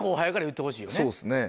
そうですね。